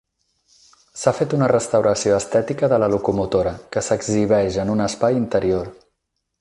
S'ha fet una restauració estètica de la locomotora, que s'exhibeix en un espai interior.